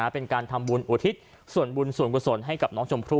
เป็นการทำบุญอุทิศส่วนบุญส่วนกุศลให้กับน้องชมพู่